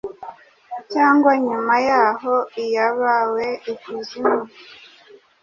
cyangwa nyuma yahoiyabaweikuzimu